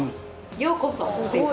ようこそ？